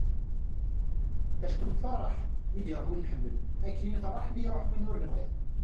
acku nfeṛṛeḥ mi d-iruḥ win nḥemmel akken i nfeṛṛeḥ mi iruḥ win ur nebɣi